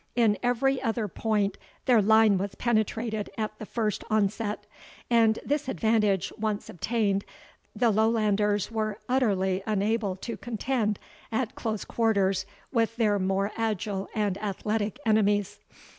In every other point their line was penetrated at the first onset; and this advantage once obtained, the Lowlanders were utterly unable to contend at close quarters with their more agile and athletic enemies.